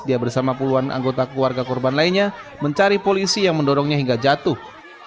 dia bersama puluhan anggota keluarga korban lainnya mencari polisi yang mendorongnya hingga jatuh